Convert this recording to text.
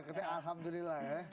ketika alhamdulillah ya